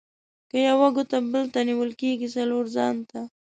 که یوه ګوته بل ته نيول کېږي؛ :څلور ځان ته.